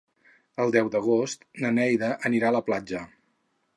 El deu d'agost na Neida anirà a la platja.